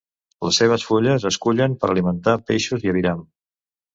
Les seves fulles es cullen per alimentar peixos i aviram.